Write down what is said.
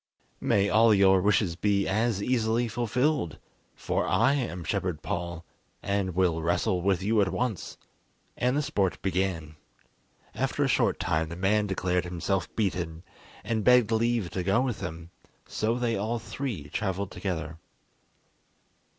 "May all your wishes be as easily fulfilled, for I am Shepherd Paul, and will wrestle with you at once," and the sport began. After a short time the man declared himself beaten, and begged leave to go with them; so they all three travelled together.